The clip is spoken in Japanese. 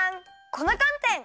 粉かんてん！